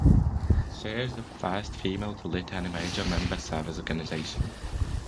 She is the first female to lead any major member service organization.